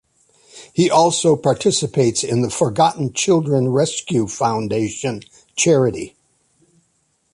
He also participates in the Forgotten Children Rescue Foundation charity.